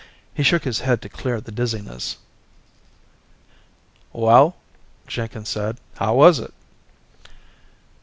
He shook his head to clear the dizziness. "Well?" Jenkins said. "How was it?"